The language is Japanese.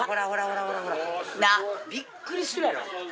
なっびっくりするやろ？